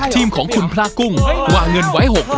ไหนว่าชิปชั้นใช่เหรอ